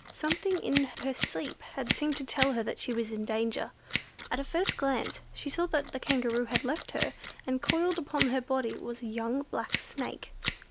Something in her sleep had seemed to tell her that she was in danger. At a first glance she saw that the Kangaroo had left her, and coiled upon her body was a young black Snake.